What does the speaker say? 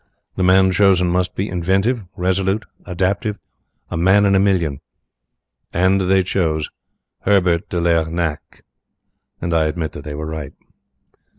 The man chosen must be inventive, resolute, adaptive a man in a million. They chose Herbert de Lernac, and I admit that they were right.